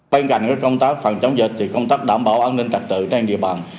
bên cạnh công tác phòng chống dịch thì công tác đảm bảo an ninh trật tự trên địa bàn